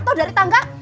jatuh dari tangga